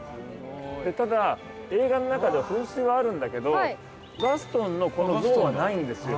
ただ映画の中では噴水はあるんだけどガストンのこの像はないんですよ。